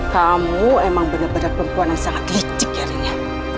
kamu emang benar benar perempuan yang sangat licik ya rin ya